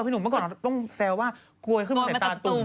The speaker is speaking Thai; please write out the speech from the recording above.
พี่หนูเมื่อก่อนต้องแซวว่าโกยขึ้นมาแต่ตะตุ้ม